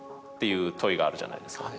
いう問いがあるじゃないですか。